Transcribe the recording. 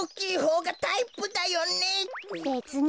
べつに。